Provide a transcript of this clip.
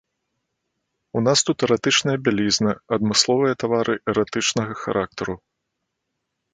У нас тут эратычная бялізна, адмысловыя тавары эратычнага характару.